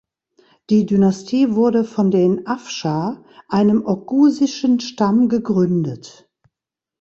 Die Dynastie wurde von den Afschar, einem oghusischen Stamm, gegründet.